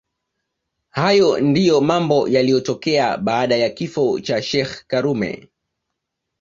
Hayo ndio mambo yaliyotokea baada ya kifo cha sheikh karume